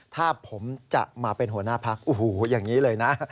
ถ้าผมจะมาเป็นหัวหน้าพักโอ้โหอย่างนี้เลยนะ